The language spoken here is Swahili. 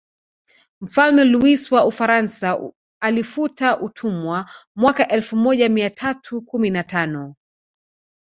Mfalme Luis wa Ufaransa alifuta utumwa mwaka elfu moja mia tatu kumi na tano